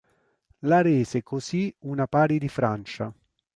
La rese così una pari di Francia.